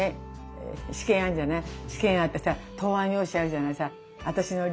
試験あってさ答案用紙あるじゃないさ。